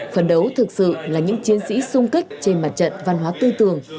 phần đấu thực sự là những chiến sĩ sung kích trên mặt trận văn hóa tư tưởng